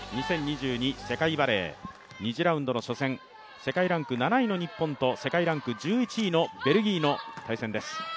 ２０２２世界バレー、２次ラウンドの初戦、世界ランク７位の日本と、世界ランク１１位のベルギーの対戦です。